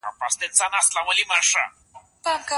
حافظ سخاوي رحمه الله په خپل کتاب کي څه فرمايي؟